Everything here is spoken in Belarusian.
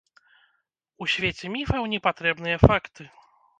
У свеце міфаў не патрэбныя факты.